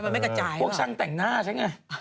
โอ้ไปเลยร้อยบันพันเลย